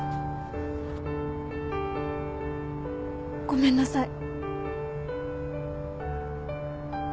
ごめんなさい。